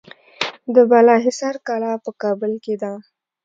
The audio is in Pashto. د بالاحصار کلا په کابل کې ده